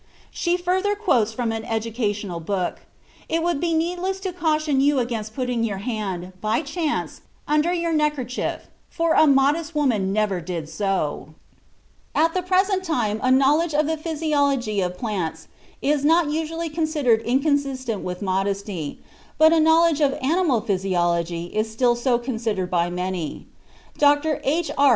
'" She further quotes from an educational book: "It would be needless to caution you against putting your hand, by chance, under your neck handkerchief; for a modest woman never did so." (Mary Wollstonecraft, The Rights of Woman, 1792, pp. 277, 289.) At the present time a knowledge of the physiology of plants is not usually considered inconsistent with modesty, but a knowledge of animal physiology is still so considered by many. Dr. H.R.